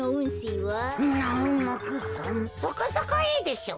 そこそこいいでしょう。